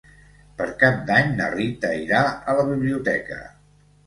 Per Cap d'Any na Rita irà a la biblioteca.